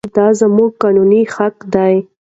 دا زموږ قانوني حق دی.